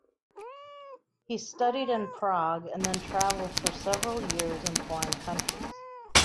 He studied in Prague, and then traveled for several years in foreign countries.